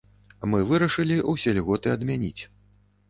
Мы вырашылі ўсе льготы адмяніць.